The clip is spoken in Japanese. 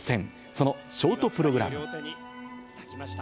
そのショートプログラム。